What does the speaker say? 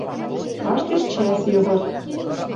Каштеш чӓс йывырт.